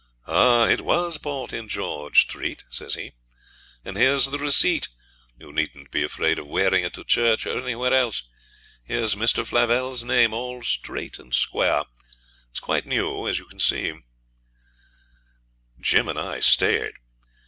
'It WAS bought in George Street,' says he; 'and here's the receipt; you needn't be afraid of wearing it to church or anywhere else. Here's Mr. Flavelle's name, all straight and square. It's quite new, as you can see.' Jim and I stared.